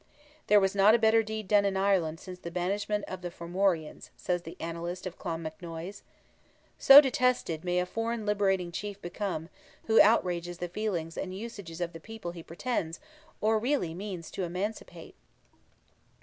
"There was not a better deed done in Ireland since the banishment of the Formorians," says the Annalist of Clonmacnoise! So detested may a foreign liberating chief become, who outrages the feelings and usages of the people he pretends, or really means to emancipate!